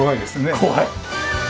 怖い！